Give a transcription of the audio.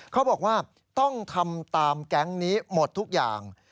เขาบอกว่าต้องทำตามแก๊งนี้หมดทุกอย่าง